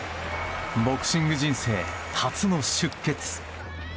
ボクシング人生初の出血。